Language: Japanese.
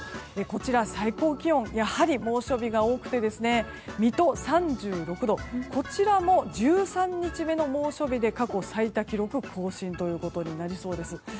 こちら、最高気温やはり猛暑日が多くて水戸、３６度こちらも１３日目の猛暑日で過去最多記録更新となりそうです。